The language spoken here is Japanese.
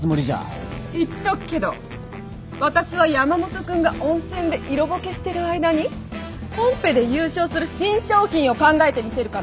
言っとくけど私は山本君が温泉で色ぼけしてる間にコンペで優勝する新商品を考えてみせるから。